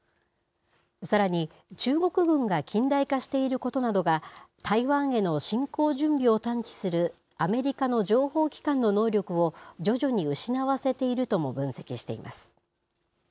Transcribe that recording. さらに、中国軍が近代化していることなどが、台湾への侵攻準備を探知するアメリカの情報機関の能力を徐々に失わせているとも分析しています。